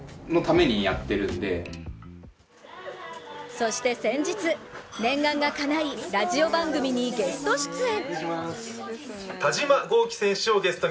そして先日、念願がかないラジオ番組にゲスト出演。